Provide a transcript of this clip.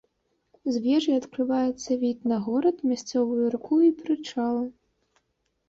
З вежы адкрываецца від на горад, мясцовую раку і прычал.